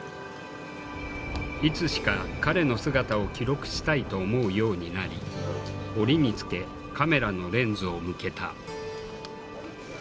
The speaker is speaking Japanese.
いつしか彼の姿を記録したいと思うようになり折につけカメラのレンズを向けた。